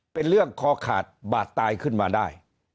เป็นเรื่องคอขาดบาดตายขึ้นมาได้